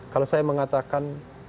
kalau saya mengatakan